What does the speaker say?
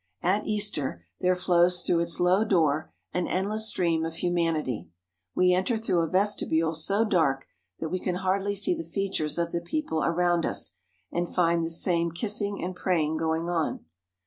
At Easter there flows through its low door an endless stream of humanity. We enter through a vestibule so dark that we can hardly see the features of the people around us, and find the same kissing and praying going on.